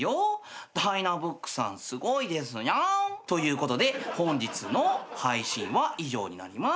ｄｙｎａｂｏｏｋさんすごいですニャン。ということで本日の配信は以上になります。